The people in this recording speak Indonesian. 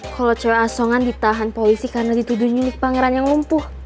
koleceh asongan ditahan polisi karena dituduh nyulik pangeran yang lumpuh